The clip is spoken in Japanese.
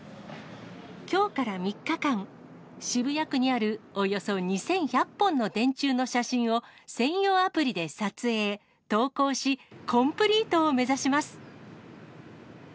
きょうから３日間、渋谷区にあるおよそ２１００本の電柱の写真を専用アプリで撮影、投稿し、コンプリートを目指します。